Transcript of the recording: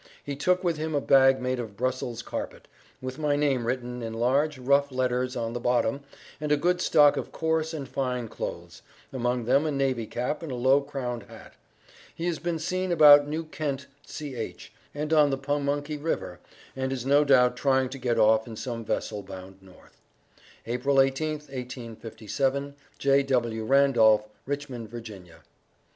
He took with him a bag made of Brussels carpet, with my name written in large, rough letters on the bottom, and a good stock of coarse and fine clothes, among them a navy cap and a low crowned hat. He has been seen about New Kent C.H., and on the Pamunky river, and is no doubt trying to get off in some vessel bound North. April 18th, 1857. J.W. RANDOLPH, Richmond, Va.